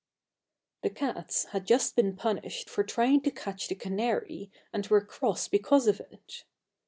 The cats had just been punished for trying to catch the canary and were cross because of it.